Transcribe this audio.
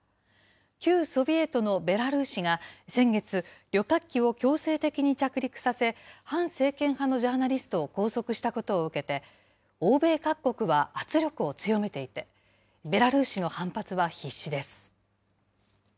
旧ソビエトのベラルーシが先月、旅客機を強制的に着陸させ、反政権派のジャーナリストを拘束したことを受けて、欧米各国は圧力を強めていて、ベラルーシの反発は必至です。